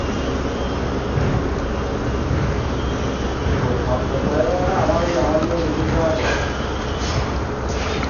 তাঁরা প্রশাসনিক ভবনের সামনে অবস্থান নিয়ে তিনটি ফটকে তালা ঝুলিয়ে দেন।